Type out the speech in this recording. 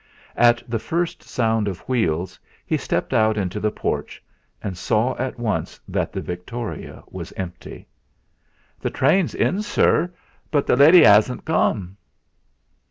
At the first sound of wheels he stepped out into the porch, and saw at once that the victoria was empty. "The train's in, sir; but the lady 'asn't come."